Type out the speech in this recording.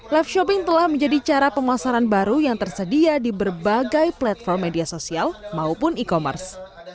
live shopping telah menjadi cara pemasaran baru yang tersedia di berbagai platform media sosial maupun e commerce